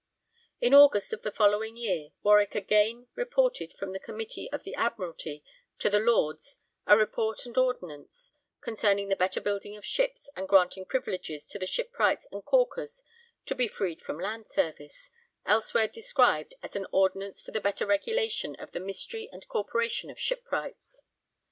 In August of the following year, Warwick again reported from the Committee of the Admiralty to the Lords a 'Report and Ordinance concerning the better building of ships and granting privileges to the Shipwrights and Caulkers to be freed from Land Service,' elsewhere described as an 'Ordinance for the better regulation of the Mystery and Corporation of Shipwrights.'